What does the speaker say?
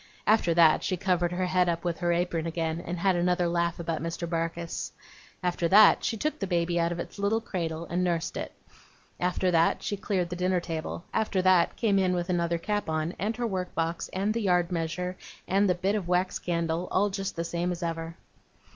After that, she covered her head up with her apron again and had another laugh about Mr. Barkis. After that, she took the baby out of its little cradle, and nursed it. After that, she cleared the dinner table; after that, came in with another cap on, and her work box, and the yard measure, and the bit of wax candle, all just the same as ever.